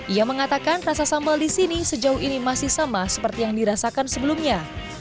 ia mengatakan rasa sambal di sini sejauh ini masih sama seperti yang dirasakan sebelumnya